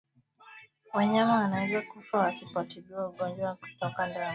Wanyama wanaweza kufa wasipotibiwa ugonjwa wa kutoka damu sana